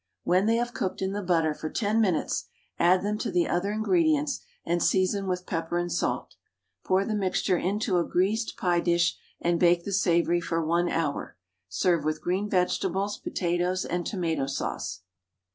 When they have cooked in the butter for 10 minutes add them to the other ingredients, and season with pepper and salt. Pour the mixture into a greased pie dish, and bake the savoury for 1 hour. Serve with green vegetables, potatoes, and tomato sauce.